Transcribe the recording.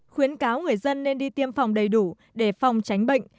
khuyến cáo người dân nên đi tiêm phòng đầy đủ để phòng tránh bệnh